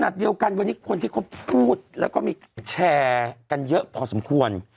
ขณะเดียวกันวันนี้คนที่เขาพูดแล้วก็มีแชร์กันเยอะพอสมควร